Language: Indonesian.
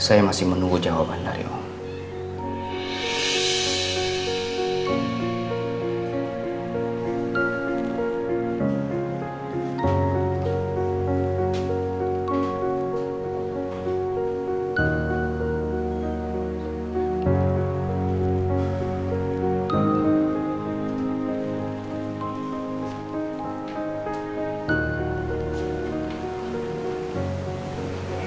saya masih menunggu jawaban dari om